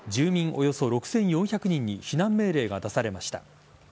およそ６４００人に避難命令が出されました。